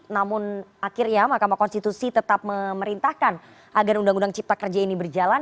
namun akhirnya mahkamah konstitusi tetap memerintahkan agar undang undang cipta kerja ini berjalan